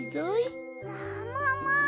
ももも！